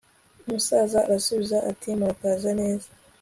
umusaza arasubiza ati murakaza neza